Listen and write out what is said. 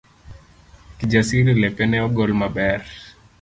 Kijasiri lepe ne ogolo maber